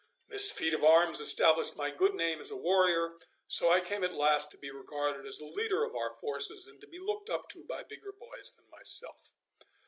This feat of arms established my good name as a warrior, so I came at last to be regarded as the leader of our forces, and to be looked up to by bigger boys than myself.